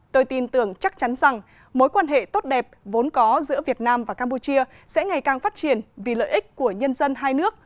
tôi tin tưởng chắc chắn rằng mối quan hệ tốt đẹp vốn có giữa việt nam và campuchia sẽ ngày càng phát triển vì lợi ích của nhân dân hai nước